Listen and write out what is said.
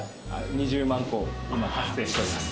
２０万個今達成しております。